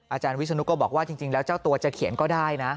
อาจารย์วิศนุก็บอกว่าจริงแล้วเจ้าตัวจะเขียนก็ได้นะ